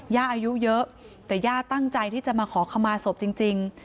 อายุเยอะแต่ย่าตั้งใจที่จะมาขอขมาศพจริง